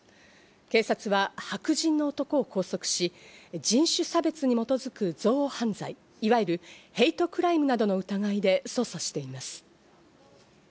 警察は白人の男を拘束し、人種差別に基づく憎悪犯罪、いわゆるヘイトクライムなどの疑いで捜査しています。